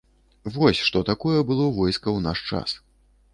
Вось што такое было войска ў наш час!